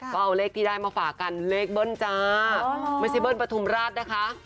ก็เอาเลขที่ได้มาฝากกันเลขเบิ้ลจ้าไม่ใช่เบิ้ลปฐุมราชนะคะ